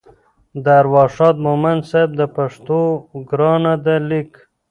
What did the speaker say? د ارواښاد مومند صیب د پښتو ګرانه ده لیک